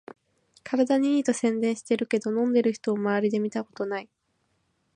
体にいいと宣伝してるけど、飲んでる人まわりで見たことない